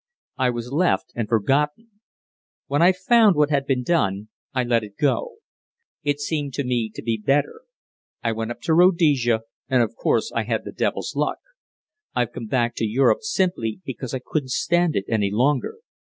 "I was left, and forgotten. When I found what had been done, I let it go. It seemed to me to be better. I went up to Rhodesia, and of course I had the devil's luck. I've come back to Europe simply because I couldn't stand it any longer.